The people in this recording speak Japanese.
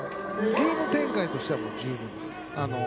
ゲーム展開としてはもう十分です。